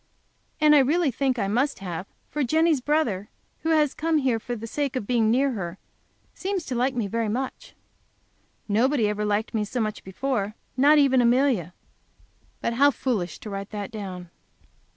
And I really think I must have, for Jenny's brother, who has come here for the sake of being near her, seems to like me very much. Nobody ever liked me so much before, not even Amelia. But how foolish to write that down!